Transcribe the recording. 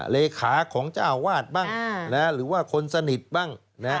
เลขาของเจ้าวาดบ้างหรือว่าคนสนิทบ้าง